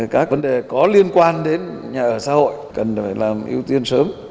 các vấn đề có liên quan đến nhà ở xã hội cần phải làm ưu tiên sớm